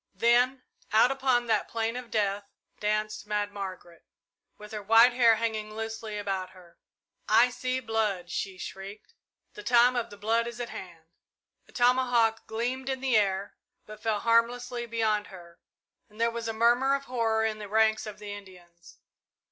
Then out upon that plain of death danced Mad Margaret, with her white hair hanging loosely about her. "I see blood!" she shrieked. "The time of the blood is at hand!" A tomahawk gleamed in the air, but fell harmlessly beyond her, and there was a murmur of horror in the ranks of the Indians.